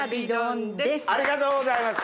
ありがとうございます。